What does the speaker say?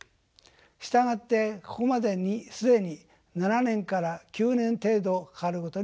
従ってここまでに既に７年から９年程度かかることになります。